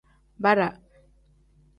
Bara.